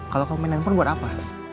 kalo kamu main handphone buat apa